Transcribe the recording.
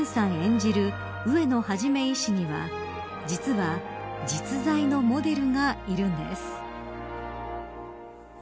植安田顕さん演じる植野元医師には実は実在のモデルがいるんです。